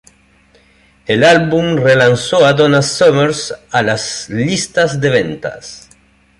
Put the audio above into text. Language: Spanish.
El álbum relanzó a Donna Summer a las listas de ventas.